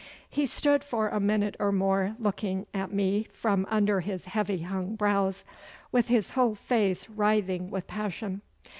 He stood for a minute or more looking at me from under his heavy hung brows, with his whole face writhing with passion.